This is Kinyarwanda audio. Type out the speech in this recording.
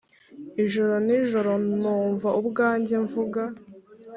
ijoro n'ijoro numva ubwanjye mvuga